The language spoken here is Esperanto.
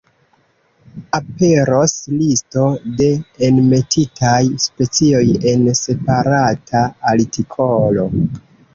Aperos listo de enmetitaj specioj en separata artikolo.